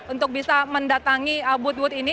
untuk bisa mendatangi abut abut ini